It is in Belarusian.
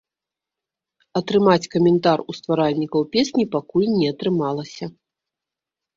Атрымаць каментар у стваральнікаў песні пакуль не атрымалася.